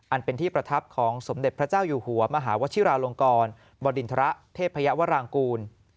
อันเป็นที่ประทับของสมเด็จพระเจ้าอยู่หัวมหาวชิราลงกรบริณฑระเทพยาวรางกูล